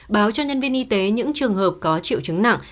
báo cho nhân viên y tế những trường hợp có triệu chứng nặng